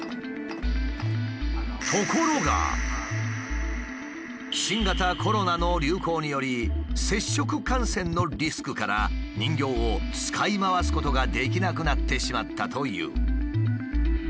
ところが新型コロナの流行により接触感染のリスクから人形を使い回すことができなくなってしまったという。